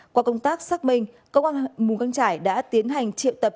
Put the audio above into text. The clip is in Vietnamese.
qua công tác xác minh công an mù căng trải đã tiến hành triệu tập